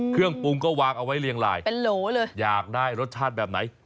เครื่องปรุงก็วางเอาไว้เรียงลายเป็นโหลเลยอยากได้รสชาติแบบไหน